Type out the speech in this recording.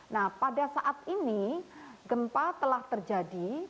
nah pada saat ini gempa telah terjadi